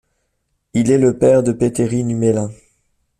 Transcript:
Il est le père de Petteri Nummelin.